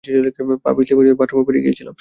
পা পিছলে বাথরুমে পড়ে গিয়েছিলাম।